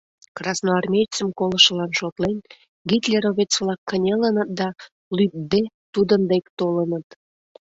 Красноармеецым колышылан шотлен, гитлеровец-влак кынелыныт да, лӱдде, тудын дек толыныт.